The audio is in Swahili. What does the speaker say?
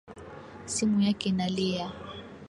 Simu yake inalia.